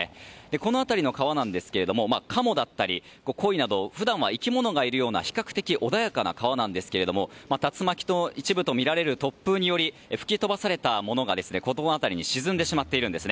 この辺りの川なんですけどもカモだったりコイなど普段は生き物がいるような比較的穏やかな川なんですけど竜巻の一部とみられる突風により吹き飛ばされたものがこの辺りに沈んでしまっています。